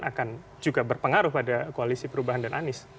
akan juga berpengaruh pada koalisi perubahan dan anies